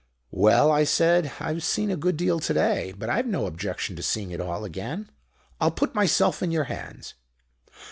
"'Well,' I said, 'I've seen a good deal already. But I've no objection to seeing it all again. I'll put myself in your hands.'